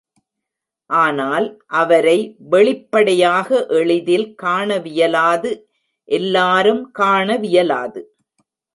ஆனால் அவரை வெளிப்படையாக எளிதில் காண வியலாது எல்லாரும் காணவியலாது.